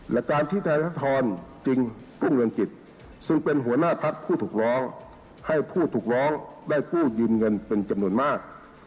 และการที่ธนทรจึงรุ่งเรืองกิจซึ่งเป็นหัวหน้าพักผู้ถูกร้องให้ผู้ถูกร้องได้กู้ยืมเงินเป็นจำนวนมาก